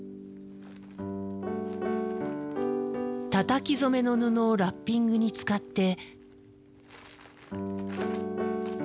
たたき染めの布をラッピングに使って。